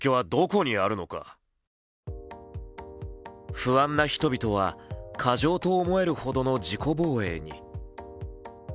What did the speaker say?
不安な人々は、過剰と思えるほどの自己防衛に。